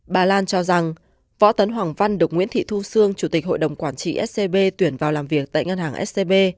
bà lan cho rằng võ tấn hoàng văn được nguyễn thị thu sương chủ tịch hội đồng quản trị scb tuyển vào làm việc tại ngân hàng scb